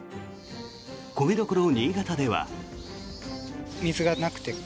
米どころ・新潟では。